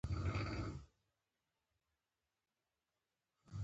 د کوکنارو کښت اقتصاد ته څومره زیان رسوي؟